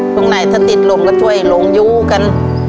ตรงไหนถ้าติดลมก็ช่วยลงยู้กัน